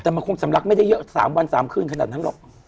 แต่มันคงสำลักไม่ได้เยอะ๓วัน๓คืนขนาดนั้นหรอก